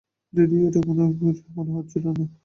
যদিও এটা কোন সময়ই মনে হচ্ছিল না।